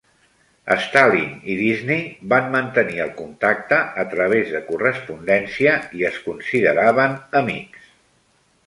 Stalling i Disney van mantenir el contacte a través de correspondència i es consideraven amics.